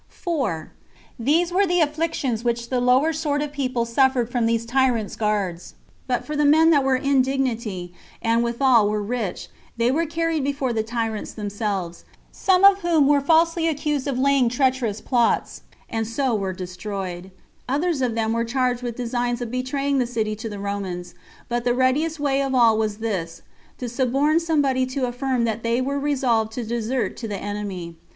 4. These were the afflictions which the lower sort of people suffered from these tyrants' guards; but for the men that were in dignity, and withal were rich, they were carried before the tyrants themselves; some of whom were falsely accused of laying treacherous plots, and so were destroyed; others of them were charged with designs of betraying the city to the Romans; but the readiest way of all was this, to suborn somebody to affirm that they were resolved to desert to the enemy.